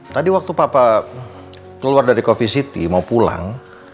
tadi waktu papa keluar dari coffee city mau pulang